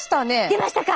出ましたね。